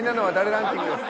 ランキングです。